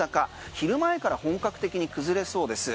昼前から本格的に崩れそうです。